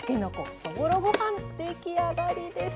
出来上がりです。